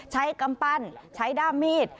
กำปั้นใช้ด้ามมีด